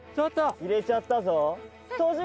入れちゃったぞ。